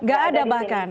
nggak ada bahkan